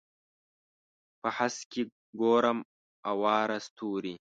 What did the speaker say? په هسک کې ګورم اواره ستوري